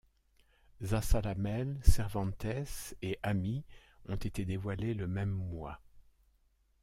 Zasalamel, Cervantes et Amy ont été dévoilés le même mois.